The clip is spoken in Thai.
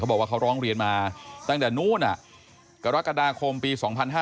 บอกว่าเขาร้องเรียนมาตั้งแต่นู้นกรกฎาคมปี๒๕๕๙